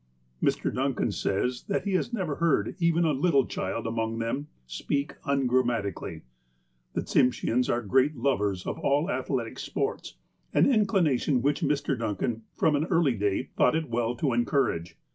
Mr. Duncan says that he has never heard even a little child among them speak ungrammatically. The Tsimsheans are great lovers of all athletic sports, an inclination which Mr. Duncan, from an early day, thought it well to encourage.